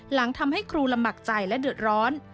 หลังทำให้ครูลำบากใจและเดือดร้อน